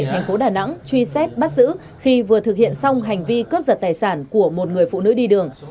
thành phố đà nẵng truy xét bắt giữ khi vừa thực hiện xong hành vi cướp giật tài sản của một người phụ nữ đi đường